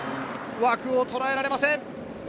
枠をとらえられません。